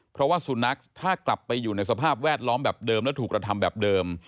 เพราะว่าสุนัขถ้ากลับไปอยู่ในสภาพแวดล้อมแบบเดิมและถูกกระทำแบบเดิม